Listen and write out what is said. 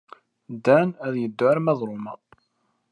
Dan ad yeddu arma d Roma.